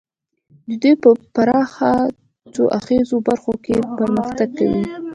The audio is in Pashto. دوی په پراخه څو اړخیزو برخو کې پرمختګ کوي